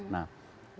nah saya harap